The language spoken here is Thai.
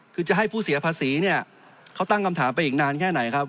คือจะให้ผู้เสียภาษีเนี่ยเขาตั้งคำถามไปอีกนานแค่ไหนครับ